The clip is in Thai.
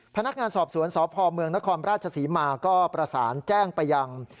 พนักงานสอบสวนสพเมืองนครราชศรีมาก็ประสานแจ้งไปยัง